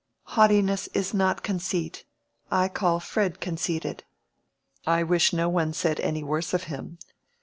"Haughtiness is not conceit; I call Fred conceited." "I wish no one said any worse of him.